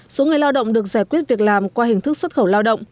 số người lao động được giải quyết việc làm qua hình thức xuất khẩu lao động